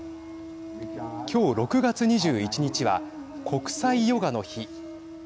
きょう６月２１日は国際ヨガの日。